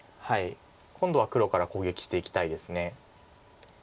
今度は黒から攻撃していきたいです。